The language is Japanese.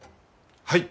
はい！